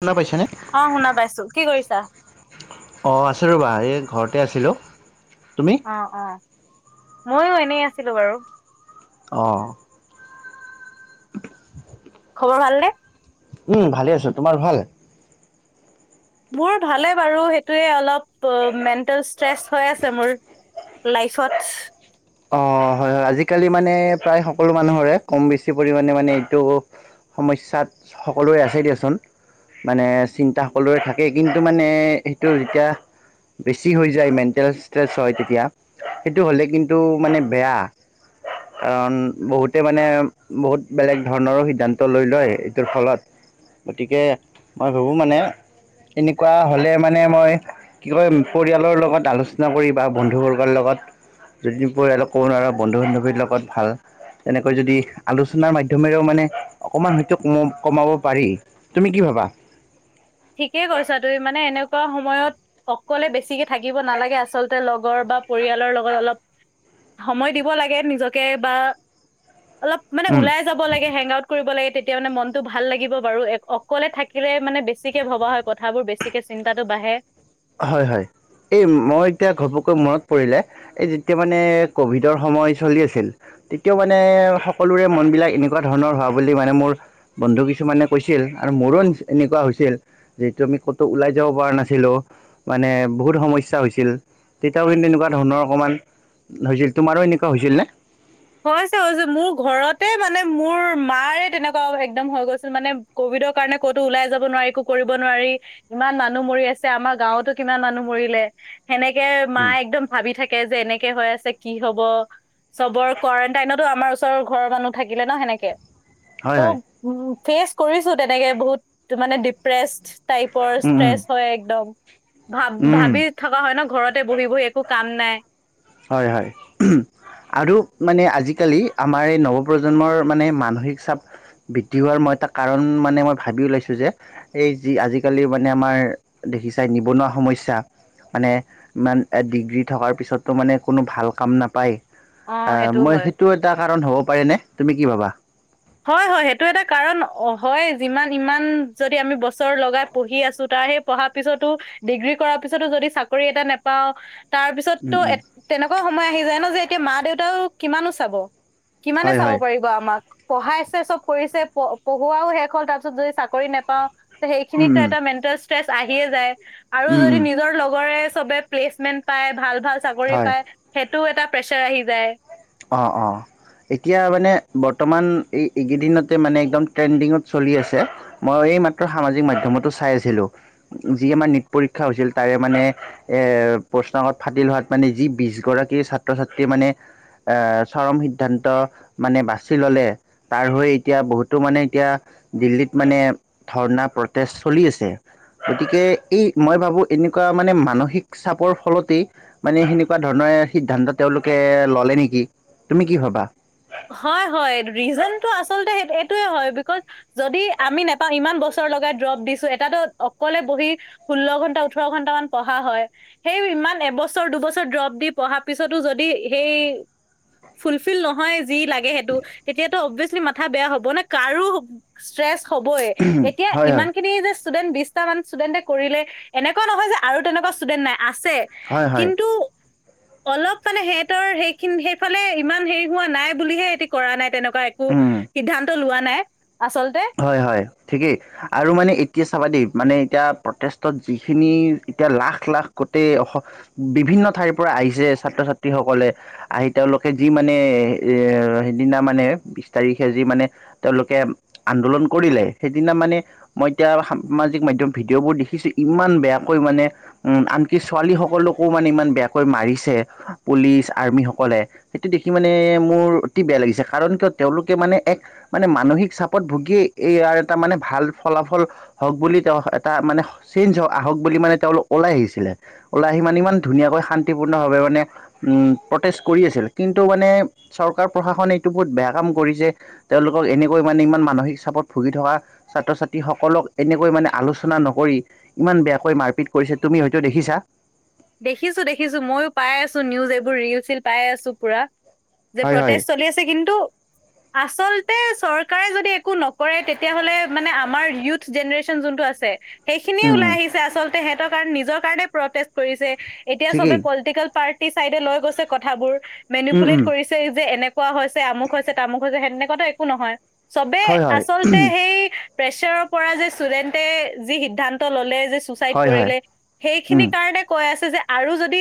শুনা পাইছানে। অ শুনা পাইছোঁ কি কৰিছা। অ আছোঁ ৰ'বা এ ঘৰতে আছিলোঁ তুমি। অ অ মইও এনেই আছিলোঁ বাৰু। অ। খবৰ ভালনে। উম ভালে আছোঁ তোমাৰ ভাল। মোৰ ভালে বাৰু সেইটোৱে অলপ প মেণ্টেল ষ্ট্ৰেচ হৈ আছে মোৰ। লাইফত। অ হয় হয় আজিকালি মানে প্ৰায় সকলো মানুহৰে কম বেছি পৰিমাণে মানে এইটো। সমস্যাত সকলোৰে আছে দিয়াচোন। মানে চিন্তা সকলোৰে থাকে কিন্তু মানে সেইটো যেতিয়া। বেছি হৈ যায় মেণ্টেল ষ্ট্ৰেছ হয় তেতিয়া সেইটো হ'লে কিন। টো মানে বেয়া। কাৰণ বহুতে মানে বহুত বেলেগ ধৰণৰো সিদ্ধান্ত লৈ লয় এইটোৰ ফলত। গতিকে মই ভাবোঁ মানে এনেকুৱা হ'লে মানে মই। কি হয় পৰিয়ালৰ লগত আলোচনা কৰি বা বন্ধুবৰ্গৰ লগত। যদি পৰিৱালক ক'ব নোৱাৰা বন্ধু বান্ধৱীৰ লগত ভাল। তেনেকৈ যদি আলোচনাৰ মাধ্যমেৰেও মানে অকমান হয়তো কম কমাব পাৰি। তুমি কি ভাবা। ঠিকে কৈছা তুমি মানে এনেকুৱা সময়ত অকলে বেছিকে থাকিব নালাগে আচলতে লগৰ বা। পৰিয়ালৰ লগত অলপ সময় দিব লাগে নিজকে বা। অলপ মানে উম ওলাই। যাব লাগে সেংৱাড কৰিব লাগে তেতিয়া মানে মনতটো ভাল লাগিব বাৰু অকলে থাকিলে মানে বেছ। ছিকে ভবা হয় কথাবোৰ বেছিকে চিন্তাটো বাঢ়ে। হয় হয় এই মই এতিয়া ঘপকৈ মনত পৰিলে। এ যেতিয়া মানে কভিডৰ সময় চলি আছিল। তেতিয়াও মানে সকলোৰে মন বিলাক এনেকুৱা ধৰণৰ হোৱা বুলি মানে মোৰ। বন্ধু কিছুমানে কৈছিল আৰু মোৰও এনেকুৱা হৈছিল। যিহেতু আমি ক'তো ওলাই যাব পৰা নাছিলো। মানে বহুত সমস্যা হৈছিল তেতিয়াও কিন্তু এনেকুৱা ধৰণৰ অকমান। হৈছিল তোমাৰো এনেকুৱা হৈছিলনে। হৈছে হৈছে মোৰ ঘৰতে মানে মোৰ মাৰে তেনেকুৱা একদম হৈ গৈছিল মানে কভিডৰ কাৰণে ক'তো ওলাই যাব নোৱাৰি একো কৰিব নোৱাৰি। ইমান মানুহ মৰি আছে আমাৰ গাঁৱতো কিমান মানুহ মৰিলে। সেনেকে মাই উম, একদম ভাবি থাকে যে এনেকে হৈ আছে কি হব চবৰ কোৱাৰেণ্টাইনতো আমাৰ ওচৰৰ ঘৰৰ মানুহ থাকিলে ন সেনেকে হয় ত' হয় উ ফেচ কৰিছো তেনেকে বহুত মানে ডিপ্ৰেচ টাইপৰ উম ষ্ট্ৰেছ উম হয় একদম ভা উম, ভাবি থাকা হয় ন ঘৰতে বহি বহি একো কাম নাই। হয় হয়। আৰু মানে আজিকালি আমাৰ এই নৱপ্ৰজন্মৰ মানে মানসিক চাপ বৃদ্ধি হোৱাৰ মই এটা কাৰণ মানে মই ভাবি ওলাইছোঁ যে এই যি আজিকালি মানে আমাৰ দেখিছাই নিবনুৱা সমস্যা মানে ইমান ডিগ্ৰী থকাৰ পিছত তো মানে কোনো ভাল কাম নাপায় অ মই হয় সেইটো এটা কাৰণ হ'ব পাৰেনে তুমি কি ভাবা? হয় হয় সেইটো এটা কাৰণ অ হয় যিমান ইমান যদি আমি বছৰ লগাই পঢ়ি আছোঁ তাৰ সেই পঢ়া পিছতো ডিগ্ৰী কৰা পিছতো যদি চাকৰি এটা নাপাওঁ তাৰ উম পিছততো উম তেনেকুৱা সময় আহি যায় ন যে এতিয়া মা দেউতাও কিমানো চাব। কিমানে হয় চাব হয় পাৰিব আমাক। পঢ়াইছে চব কৰিছে প পঢ়োৱাও শেষ হল তাৰ পিছত যদি চাকৰি নেপাওঁ। উম সেইখিনিতে উম এটা মেণ্টেল ষ্ট্ৰেচ আহিয়ে যায় আৰু উম যদি উম নিজৰ লগৰে চবে প্লেচমেন্ট পায় ভাল ভাল চাকৰি হয় পায় সেইটোও এটা প্ৰেচাৰ আহি যায়। অ অ এতিয়া মানে বৰ্তমান এই এইকেইদিনতে মানে একদম ট্ৰেণ্ডিঙত চলি আছে। মই এই মাত্ৰ সামাজিক মাধ্যমতো চাই আছিলো, যি আমাৰ নীট পৰীক্ষা হৈছিল তাৰে মানে এ প্ৰশ্নকাকত ফাটিল হোৱাত মানে যি বিশগৰাকী ছাত্ৰ ছাত্ৰী মানে এ চৰম সিদ্ধান্ত মানে বাচি ল'লে তাৰ হৈ এতিয়া বহুতো মানে এতিয়া দিল্লীত মানে ধৰ্ণা প্ৰটেষ্ট চলি আছে। গতিকে এই মই ভাবো এনেকুৱা মানে মানসিক চাপৰ ফলতেই মানে সেনেকুৱা ধৰণৰ সিদ্ধান্ত তেওঁলোকে ললে নেকি, তুমি কি ভাবা? হয় হয় ৰিজনটো আচলতে এইটোৱে হয় বিকজ যদি আমি নেপা ইমান বছৰ লগাই ড্ৰপ দিছো এটাতো অকলে বহি ষোল্ল ঘণ্টা ওঠৰ ঘণ্টা মান পঢ়া হয় সেই ইমান এবছৰ দুবছৰ ড্ৰপ দি পঢ়াৰ পিছতো যদি সেই ফুলফিল নহয় যি লাগে সেইটো তেতিয়াতো অভিয়াচলি মাথা বেয়া হ'ব নে কাৰো ষ্ট্ৰেচ হবই এতিয়া হয় হয় ইমান খিনি যে ষ্টুডেণ্ট বিশটা মান ষ্টুডেণ্টে কৰিলে এনেকুৱা নহয় যে আৰু তেনেকুৱা ষ্টুডেণ্ট নাই আছে। হয় হয়। কিন্তু অলপ মানে হেহঁতৰ সেইখিন সেইফালে ইমান হেৰি হোৱা নাই বুলিহে হেতী কৰা নাই তেনেক বা একো উম সিদ্ধান্ত লোৱা নাই আচলতে। হয় হয় ঠিকেই। আৰু মানে এতিয়া চাবা দেই মানে এতিয়া প্ৰটেষ্টত যিখিনি এতিয়া লাখ লাখ গোটেই অ বিভিন্ন ঠাইৰ পৰা আহিছে ছাত্ৰ ছাত্ৰীসকলে আহি তেওঁলোকে যি মানে এ সেইদিনা মানে বিশ তাৰিখে যি মানে তেওঁলোকে আন্দোলন কৰিলে সেইদিনা মানে মই এতিয়া সামাজিক মাধ্যম ভিডিঅ'বোৰ দেখিছো ইমান বেয়াকৈ মানে উম আনকি, ছোৱালী সকলকো মানে ইমান বেয়াকৈ মাৰিছে পুলিচ আৰ্মি সকলে। সেইটো দেখি মানে, মোৰ অতি বেয়া লাগিছে কাৰণ কিয় তেওঁলোকে মানে এক মানে মানসিক চাপ ওপৰত ভুগি এইয়াৰ এটা মানে ভাল ফলাফল হওক বুলি তেওঁ এটা মানে, চঞ্জ আহক বুলি মানে তেওঁলোক ওলাই আহিছিলে। ওলাই আহি মানে ইমান ধুনীয়াকৈ শান্তিপূৰ্ণ ভাৱাবে মানে উ, প্ৰটেষ্ট কৰি আছিল কিন্তু মানে চৰকাৰ প্ৰশাসনে এইটো বহুত বেয়া কাম কৰিছে। তেওঁলোকক, এনেকৈ মানে ইমান মানসিক চাপত ভুগি থকা ছাত্ৰ-ছাত্ৰী সকলক এনেকৈ মানে আলোচনা নকৰি ইমান বেয়াকৈ মাৰপিট কৰিছে, তুমি হয়তো দেখিছা? দেখিছো, দেখিছো মইয়ো পাই আছো নিউজ এইবোৰ ৰিল-চিল পাই আছো পুৰা। যে হয় হয় প্ৰটেষ্ট চলি আছে কিন্তু আচলতে চৰকাৰে যদি, একো নকৰে তেতিয়াহ'লে মানে আমাৰ ইউথ জেনেৰেচন যোনটো আছে সেই উম। আচলতে সেহতে নিজৰ কাৰণে প্ৰচেষ্ট কৰিছে। এতিয়া ছবে ঠিকেই পলটিকেল পাৰ্টি ছাইদে লৈ গৈছে কথাবোৰ উম মেনুপ্লেত উম কৰিছে। হেই যে এনেকুৱা হৈছে, আমুক হৈছে, তামুক হৈছে সেনেকুৱাতো একো নহয়। চবে হয় হয় আচলতে সেই প্ৰেচাৰৰ পৰা যে ষ্টুডেণ্টে যি সিদ্ধান্ত ললে যে, ছুচাইড হয় হয় কৰিলে উম সেইখিনিক এনেকে কৈ আছে আৰু যদি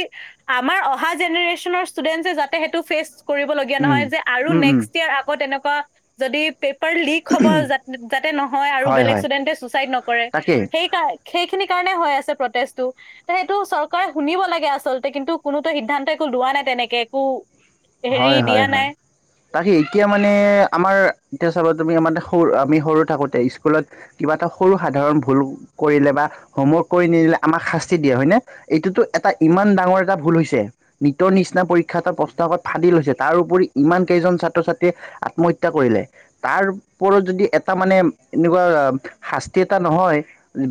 আমাৰ অহা জেনেৰছনে টুডেন্টে যাতে সেটো ফেছ কৰিবলীয়া উম নহয় যে আৰু উম উম নেক্সট ইয়াৰ আকৌ এনেকুৱা যদি পেপাৰ লিক হ'ব যাতে নহয় আৰু হয় বেলেগ হয় ষ্টুডেণ্টে ছুচাইড নকৰে তাকেই সেইকাৰ। সেইখিনি কাৰণে হৈ আছে প্ৰটেষ্টটো। সেইটো চৰকাৰে শুনিব লাগে আচল্ততে কিন্তু কোনোতো সিদ্ধান্ত একো লোৱা নাই তেনেকে একো। হেৰি হয়, দিয়া হয়, হয়। নাই বাকি এতিয়া মানে, আমাৰ এতিয়া চাবা তুমি আমাৰ সৰু আমি সৰু থাকোতে স্কুলত কিবা এটা সৰু সাধাৰণ ভুল কৰিলে বা হোমৱৰ্ক কৰি নিদিলে আমাক শাস্তি দিয়ে হয় নে? এইটোতো এটা ইমান ডাঙৰ এটা ভুল হৈছে নিটৰ নিচিনা পৰীক্ষা এটা প্ৰস্তাৱত ফাদদি লৈছে তাৰ উপৰি ইমান কেইজন ছাত্ৰ ছাত্ৰীয়ে আত্মহত্যা কৰিলে। তাৰ ওৰত যদি এটা মানে এনেকুৱা শাস্তি এটা নহয়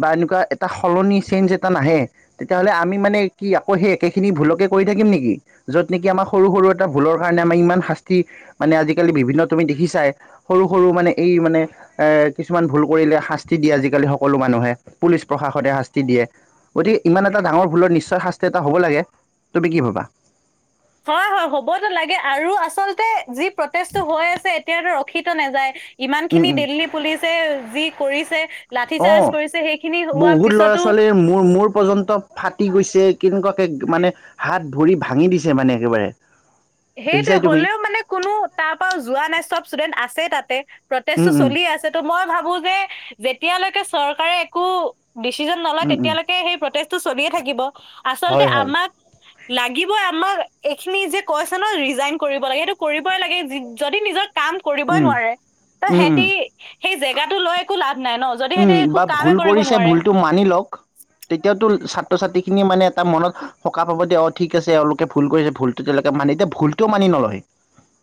বা এনেকুৱা এটা সলনি চেঞ্জ এটা নাহে তেতিয়াহ'লে আমি মানে কি আকৌ সেই একেখিনি ভুলকে কৰি থাকিম নেকি যত নেকি আমাৰ সৰু, সৰু এটা ভুলৰ কাৰণে আমাৰ ইমান শাস্তি, মানে আজিকালি বিভিন্ন তুমি দেখিছাই। সৰু, সৰু মানে এই মানে এ কিছুমান ভুল কৰিলে শাস্তি দিয়ে আজিকালি সকলো মানুহে, পুলিচ প্ৰশাসনে শাস্তি দিয়ে। গতিকে ইমান এটা ডাঙৰ ভুলৰ নিশ্চয় শাস্তি এটা হ'ব লাগে, তুমি কি ভবা? হয়, হয় হ'বতো লাগে আৰু আচলতে যি প্ৰটেষ্টটো হৈ আছে এতিয়াতো ৰখিতো নাযায়। ইমান উম খিনি উম দিল্লী পুলিচে যি কৰিছে লাঠি অ চাৰ্জ কৰিছে সেইখিনি হোৱা পিছতো মোৰ মোৰ পৰ্যন্ত ফাটি গৈছে কেনেকুৱাকে মানে হাত-ভৰি ভাঙি দিছে মানে একেবাৰে। সেইটোৱে দেখিছাই তুমি হ'লেও মানে, কোনো তাৰ পৰাও যোৱা নাই চব ষ্টুডেণ্ট আছে তাতে। উম প্ৰটেষ্টটো উম চলি আছে ত' মই ভাবো যে যেতিয়ালৈকে চৰকাৰে একো ডিচিজন নলয় উম উম তেতিয়ালৈকে সেই প্ৰটেচটো চলিয়ে থাকিব আচলতে হয় হয় আমাক লাগিবই আমাক এইখিনি যে, কৈছে ন' ৰিজাইন কৰিব লাগে সেইটো কৰিবই লাগে, যদি নিজক কাম কৰিবই উম নোৱাৰে ত' উম উম সিহঁতি সেই জেগাটো লৈ একো লাভ নাই ন'! যদি সিহঁতে উম, একো বা কামেই ভুল কৰিব কৰিছে নোৱাৰে ভুলতটো মানি লওক। তেতিয়াওতো ছাত্ৰ-ছাত্ৰী খিনিয়ে মানে এটা মনত সকাহ পাব, দে অ', ঠিক আছে এওঁলোকে ভুল কৰিছে ভুল তেতিয়ালৈকে মানে এতিয়া ভুলটোও মানি নলয়।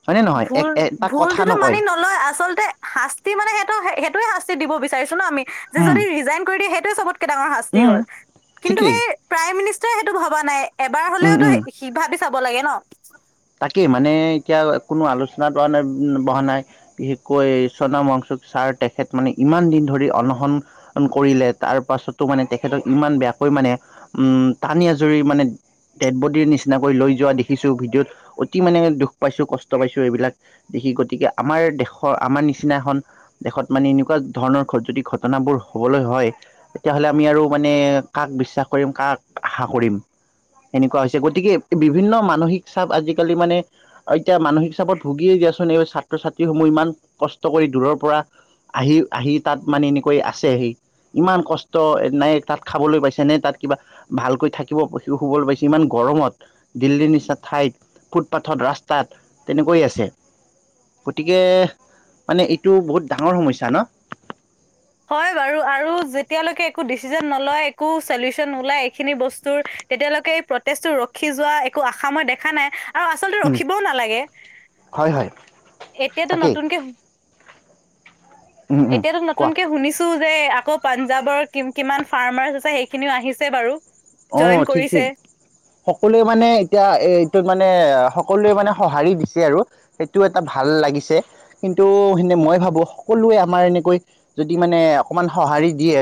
হয়নে নহয় ভুল, এক এটা কথা ভুলতোতো মানি নকয় নলয় আচলতে শাস্তি মানে সেইটো সেইটোয়ে শাস্তি দিব বিচাৰিছো ন' আমি যে, উম যদি ৰিজাইন কৰি দিয়ে সেইটোৱে চবত কে ডাঙৰ শাস্তি উম হ'ল কিন্তু, ঠিকেই সেই প্ৰাইম মিনিষ্টাৰে সেইটো ভবা নাই এবাৰ উম হ'লেওতো উম সি ভাবি চাব লাগে ন'! তাকেই মানে এতিয়া কোনো আলোচনাটো বহা নাই। বিশেষকৈ চণাম ৱাংচুক ছাৰ তেখেত মানে ইমান দিন ধৰি অনসন কৰিলে তাৰ পাছতো মানে তেখেতক ইমান বেয়াকৈ মানে উম, টানি-আজুৰি মানে দেদবদী ৰ নিচিনাকৈ লৈ যোৱা দেখিছোঁ ভিডিঅ'ত। অতি মানে দুখ পাইছো কষ্ট পাইছো, এইবিলাক দেখি গতিকে, আমাৰ দেশৰ আমাৰ নিচিনা এখন দেশত মানে এনেকুৱা ধৰণৰ যদি ঘটনাবোৰ হ'বলৈ হয়। তেতিয়াাহ'লে আমি আৰু মানে কাক বিশ্বাস কৰিম কাক আশা কৰিম। সেনেকুৱা হৈছে গতিকে বিভিন্ন মানসিক চাপ আজিকালি মানে আৰু এতিয়া মানসিক চাপত ভুগিয়ে দিয়াচোন এই ছাত্ৰ-ছাত্ৰীসমূহ ইমান কষ্ট কৰি দূৰৰ পৰা আহি আহি তাত মানে এনেকৈ আছেহি। ইমান কষ্ট নাই তাত খাবলৈ পাইছে নে তাত কিবা। ভালকৈ থাকিব শুবলৈ পাইছে ইমান গৰমত দিল্লীৰ নিচিনা ঠাইত ফুটপাথত ৰাস্তাত তেনেকৈয় আছে। গতিকে মানে এইটো বহুত ডাঙৰ সমস্যা ন'? হয়, বাৰু আৰু যেতিয়ালৈকে একো ডিচিজন ন'লয়, একো চলিউচন ওলাই এইখিনি বস্তুৰ তেতিয়ালৈকে এই প্ৰটেষ্টটো ৰখি যোৱা একো আশা মই দেখা নাই। আৰু আচলতে উম ৰখিবও নালাগে, হয় হয় এতিয়াতো তাকেই নতুনকে উম উম এতিয়াতো ন কোৱা তুনকে শুনিছো যে, আকৌ পাঞ্জাৱৰ কি কিমান ফাৰ্মাৰ্চ আছে সেইখিনিও আহিছে বাৰু। জইন অ', ঠিক কৰিছে ঠিক। সকলোৱে মানে এতিয়া এটোত মানে সকলোৱে মানে সঁহাৰি দিছে আৰু। সেইটো এটা ভাল লাগিছে কিন্তু, সনে মই ভাবো সকলোৱে আমাৰ এনেকৈ যদি মানে অকমান সঁহাৰি দিয়ে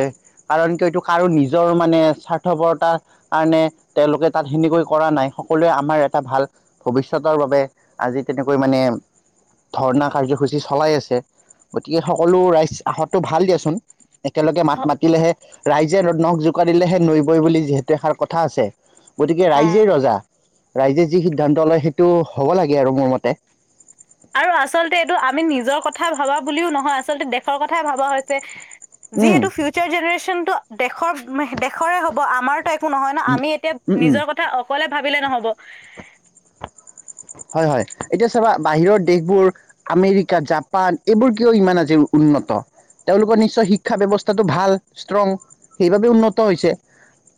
কাৰণ, কিয় এইটো কাৰো নিজৰ মানে স্বাৰ্থপৰত তাৰ কাৰণে তেওঁলোকে তাত সেনেকৈ কৰা নাই সকলোৱে আমাৰ এটা ভাল ভৱিষ্যতৰ বাবে আজি তেনেকৈ মানে ধৰ্ণা কাৰ্যসূচী চলাই আছে গতিকে, সকলো ৰাইজ অহাটো ভাল দিয়াচোন। একেলগে হ- মাত মাতিলেহে ৰাইজে নখ জোকাৰিলেহে নৈ বৈ বুলি যিহেতু এষাৰ কথা আছে, গতিকে অ', ৰাইজে ৰজা ৰাইজে যি সিদ্ধান্ত লয় সেইটো হ'ব লাগে আৰু মোৰ মতে। আৰু আচলতে এইটো আমি নিজৰ কথাাই ভবা বুলিও নহয়, আচলতে দেশৰ কথাই ভবা হৈছে। উম যিহেতু, ফিউচাৰ জেনেৰেশচনটো দেশৰ উম, দেশৰে হ'ব আমাৰতো একো নহয় ন' উম আমি এতিয়া উম উম নিজৰ কথা অকলে ভাবিলে নহ'ব। [inaudible] হয়, হয়, এতিয়া চাবা বাহিৰৰ দেশবোৰ আমেৰিকা জাপান এইবোৰ কিয় ইমান আজি উন্নত। তেওঁলোকৰ নিশ্চয় শিক্ষা ব্যৱস্থাটো ভাল ষ্ট্ৰং, সেইবাবেই উন্নত হৈছে।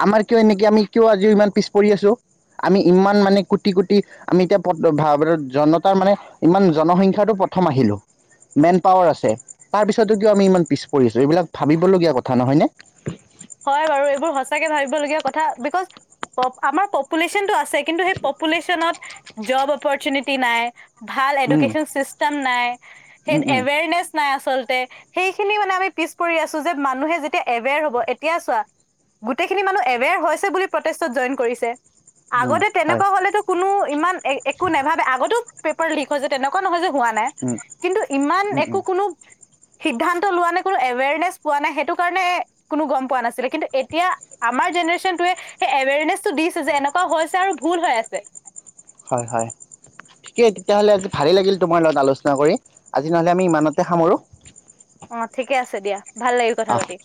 আমাৰ কিয় এনেকে আমি কিয় আজিও ইমান পিছ পৰি আছো? আমি ইমান মানে কোটি কোটি আমি এতিয়া পত ভাব ত জনতাৰ মানে ইমান জনসংখ্যাটো প্ৰথম আহিলোঁ। মেন পাৱাৰ আছে তাৰপিছতো কিয় আমি ইমান পিছ পৰি আছো? এইবিলাক ভাবিবলগীয়া কথা নহয় নে? হয় বাৰু এইবোৰ সঁচাকে ভাবিব লগীয়া কথা বিকজ আমাৰ পপুলেশ্যনটো আছে ছে কিন্তু সেই পপুলেচনত যব অপচুনেটি নাই। ভাল উম এডুকেশচন চিষ্টেম নাই, সেই উম উম এৱেৰনেচ নাই আচলতে, সেইখিনি মানে আমি পিছ পৰি আছো যে মানুহে যেতিয়া এবেৰ হ'ব এতিয়া চোৱা গোটেইখিনি মানুহ এৱেৰ হৈছে বুলি প্ৰটেষ্টত জইন কৰিছে। উম আগতে হয় তেনেকুৱা হলেতো কোনো ইমান একো নাভাবে আগতো পেপাৰ লীক হৈছে তেনেকুৱা নহয় যে হোৱা নাই। উম কিন্তু ইমান উম একো উম কোনো সিদ্ধান্ত লোৱা নাই কোনো এৱেৰনেছ পোৱা নাই সেইটো কাৰণে কোনো গম পোৱা নাছিলে, কিন্তু এতিয়া আমাৰ জেনেৰেশ্যনটোৱে সেই এৱেৰনেছটো দিছে যে এনেকুৱা হৈছে আৰু ভুল হৈ আছে। হয় হয়। ঠিকেই তেতিয়াহলে আজি ভালে লাগিল তোমাৰ লগত আলোচনা কৰি। আজি নহলে আমি ইমানতে সামৰো? অঁ ঠিকে আছে দিয়া ভাল লাগিল কথা আহ পাতি।